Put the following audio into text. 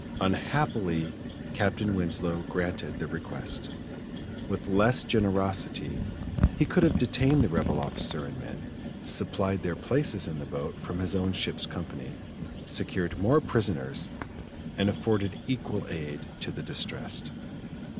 Unhappily Captain Winslow granted the request. With less generosity, he could have detained the rebel officer and men, supplied their places in the boat from his own ship's company, secured more prisoners, and afforded equal aid to the distressed.